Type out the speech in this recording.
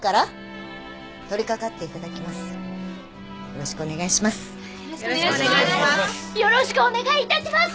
よろしくお願いします。